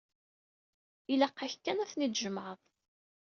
Ilaq-ak kan ad ten-id-tjemɛeḍ.